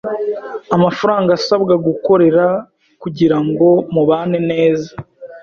amafaranga usabwa gukorera kugirango mubane neza